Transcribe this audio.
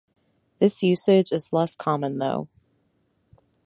This usage is less common, though.